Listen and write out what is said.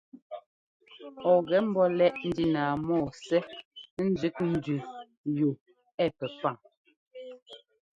Ɔ ŋgɛ ḿbɔ́ lɛ́ꞌ ndína mɔ́ɔ Ssɛ́ ńzẅík ndẅí yu ɛ pɛpaŋ.